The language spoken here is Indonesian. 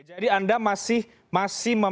jadi anda masih meminta